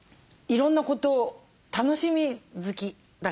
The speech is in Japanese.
いろんなこと楽しみ好きだから。